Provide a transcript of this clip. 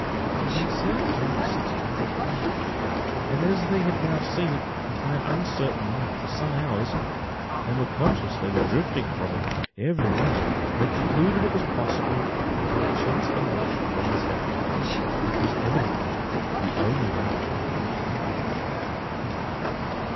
He had said it was only six miles long; and as they had now seen it by an uncertain light for some hours, and were conscious they were drifting from it every moment, they concluded it was possible that they had a chance for life from this effort, which was evidently the only one which remained to them.